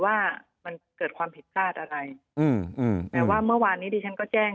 ว่ามันเกิดความผิดพลาดอะไรอืมแต่ว่าเมื่อวานนี้ดิฉันก็แจ้ง